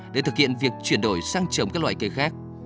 để thực hiện việc chuyển đổi sang trồng các loại cây khác